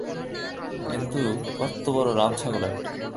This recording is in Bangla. কিন্তু, কত্তবড়ো রামছাগল একটা।